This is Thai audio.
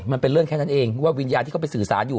มันเป็นเรื่องแค่นั้นเองว่าวิญญาณที่เขาไปสื่อสารอยู่